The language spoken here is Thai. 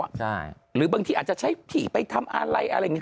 ใช่หรือบางทีอาจจะใช้ที่ไปทำอะไรอะไรอย่างนี้